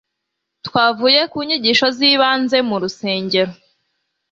twavuye ku nyigisho z ibanze murusengero